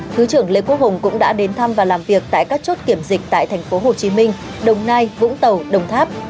thứ trưởng lê quốc hùng cũng đã đến thăm và làm việc tại các chốt kiểm dịch tại thành phố hồ chí minh đồng nai vũng tàu đồng tháp